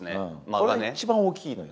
これが一番大きいのよ